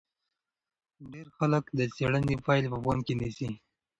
ډېر خلک د څېړنې پایلې په پام کې نیسي.